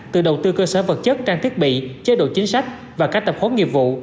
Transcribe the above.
từ đầu tư cơ sở vật chất trang thiết bị chế độ chính sách và các tập huấn nghiệp vụ